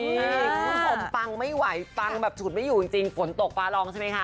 คุณผู้ชมฟังไม่ไหวฟังแบบฉุดไม่อยู่จริงฝนตกฟ้าลองใช่ไหมคะ